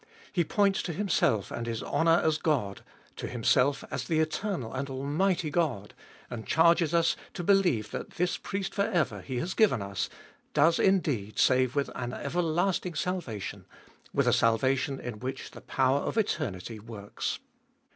He points to Himself and His honour as God, to Himself as the Eternal and Almighty God and charges us to believe that this Priest for ever He has given us does indeed save with an everlasting salvation, with a salvation in which the power of eternity works.